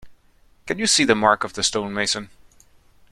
Can you see the mark of the stonemason?